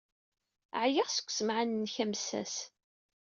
Ɛyiɣ seg ussemɛen-nnek amessas.